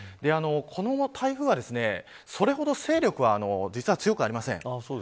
この台風は、それほど勢力は実は強くありません。